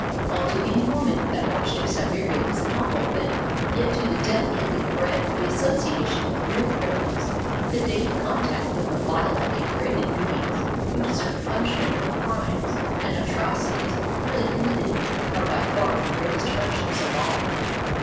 While to any 183 RUSSIA woman that march to Siberia is an awful thing, yet to the delicately bred the association with real criminals, the daily contact with the vile and degraded beings who deserve punishment for crimes and atrocities really committed, are by far the greatest hardships of all.